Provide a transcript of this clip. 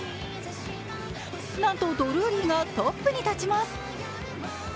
なんとドルーリーがトップに立ちます。